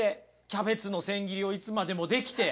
キャベツの千切りをいつまでもできて。